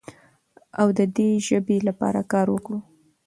او د دې ژبې لپاره کار وکړو.